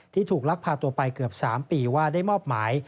ถูกลักพาตัวไปเกือบ๓ปีว่าได้มอบหมาย